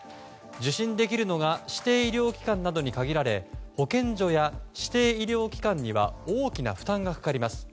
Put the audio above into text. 受診できるのが指定医療機関などに限られ保健所や指定医療機関には大きな負担がかかります。